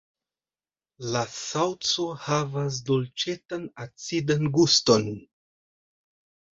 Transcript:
La saŭco havas dolĉetan-acidan guston.